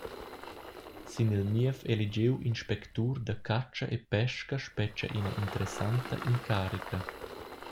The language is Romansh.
Sin il niev eligiu inspectur da catscha e pesca spetga ina interessanta incarica.